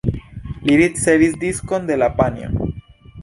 Li ricevis diskon de la panjo.